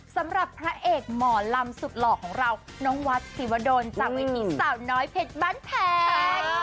สำหรับพระเอกหมอลำสุดหล่อของเราน้องวัดศรีวดลจากเวทีสาวน้อยเพชรบ้านแพง